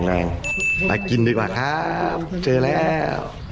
แรงไปกินดีกว่าครับเจอแล้ว